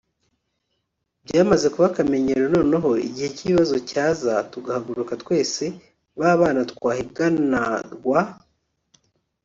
byamaze kuba akamenyero noneho igihe cy’ibibazo cyaza tugahaguruka twese ba bana twahiganarwa